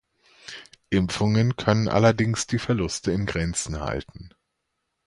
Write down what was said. Impfungen können allerdings die Verluste in Grenzen halten.